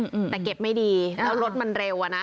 อืมแต่เก็บไม่ดีแล้วรถมันเร็วอ่ะนะ